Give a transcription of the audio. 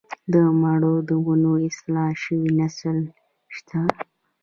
د مڼو د ونو اصلاح شوی نسل شته